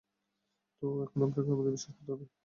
তো, এখন আপনাকে আমাদের বিশ্বাস করতে হবে?